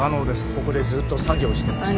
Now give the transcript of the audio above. ここでずっと作業してました